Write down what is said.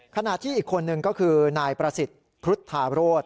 ขณะที่อีกคนนึงก็คือนายประสิทธิ์พุทธาโรธ